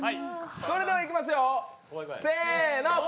それではいきますよ。